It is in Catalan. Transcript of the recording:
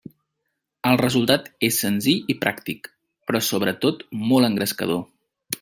El resultat és senzill i pràctic però sobretot molt engrescador.